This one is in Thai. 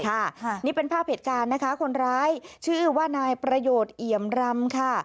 ค่ะนี่เป็นภาพเหตุการณ์นะคะคนร้ายชื่อว่านายประโยชน์เอี่ยมรำค่ะ